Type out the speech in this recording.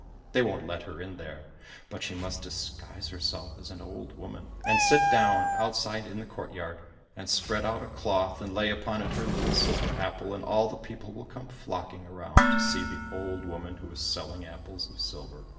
They won't let her in there, but she must disguise herself as an old woman, and sit down outside in the courtyard, and spread out a cloth and lay upon it her little silver apple, and all the people will come flocking around to see the old woman who is selling apples of silver."